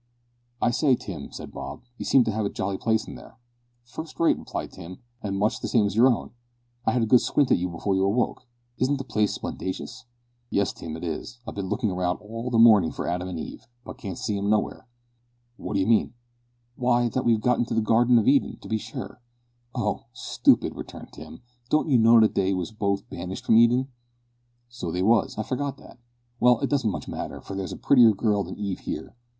"I say, Tim," said Bob, "you seem to have a jolly place in there." "First rate," replied Tim, "an' much the same as your own. I had a good squint at you before you awoke. Isn't the place splendacious?" "Yes, Tim, it is. I've been lookin' about all the mornin' for Adam an' Eve, but can't see 'em nowhere." "What d'ee mean?" "Why, that we've got into the garden of Eden, to be sure." "Oh! stoopid," returned Tim, "don't you know that they was both banished from Eden?" "So they was. I forgot that. Well, it don't much matter, for there's a prettier girl than Eve here.